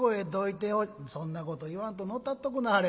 「そんなこと言わんと乗ったっとくなはれ。